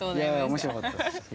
面白かったです。